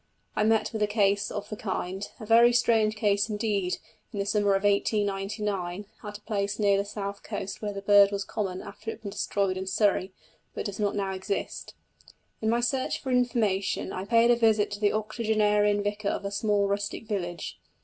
I met with a case of the kind, a very strange case indeed, in the summer of 1899, at a place near the south coast where the bird was common after it had been destroyed in Surrey, but does not now exist. In my search for information I paid a visit to the octogenarian vicar of a small rustic village.